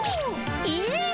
えっ。